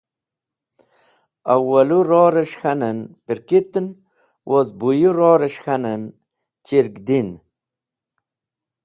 Awalũ ror’res̃h k̃han “Pirkitn” woz buyũ ror’res̃h k̃hanen “Chirgdin.”